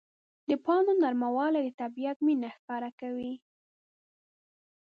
د پاڼو نرموالی د طبیعت مینه ښکاره کوي.